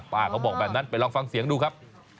เขาบอกแบบนั้นไปลองฟังเสียงดูครับ